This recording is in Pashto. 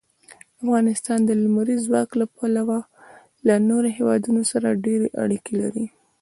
افغانستان د لمریز ځواک له پلوه له نورو هېوادونو سره ډېرې اړیکې لري.